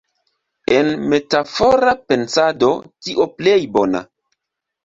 En metafora pensado "tio plej bona".